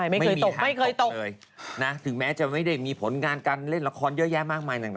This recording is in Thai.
ไม่เคยตกเลยนะถึงแม้จะไม่ได้มีผลงานกันเล่นละครเยอะแยะมากมายดังนะฮะ